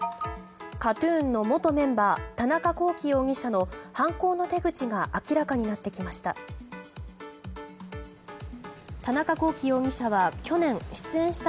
ＫＡＴ‐ＴＵＮの元メンバー田中聖容疑者の犯行の手口が明らかになってきました。